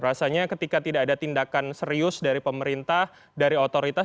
rasanya ketika tidak ada tindakan serius dari pemerintah dari otoritas